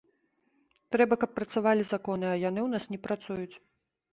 Трэба, каб працавалі законы, а яны ў нас не працуюць.